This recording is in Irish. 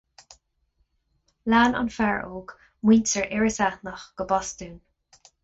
Lean an fear óg muintir Iorras Aithneach go Bostún.